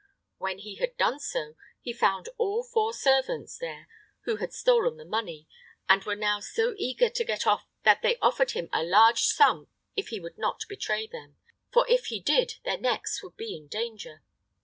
When he had done so, he found all four servants there who had stolen the money, and were now so eager to get off that they offered him a large sum if he would not betray them; for if he did their necks would be in danger.